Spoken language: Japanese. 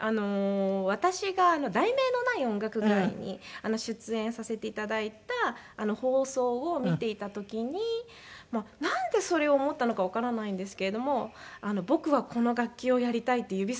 私が『題名のない音楽会』に出演させて頂いた放送を見ていた時になんでそれを思ったのかわからないんですけれども「僕はこの楽器をやりたい」って指さしたのがファゴット。